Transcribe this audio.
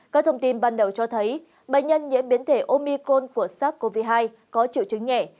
các thông tin ban đầu cho thấy bệnh nhân nhiễm biến thể omicon của sars cov hai có triệu chứng nhẹ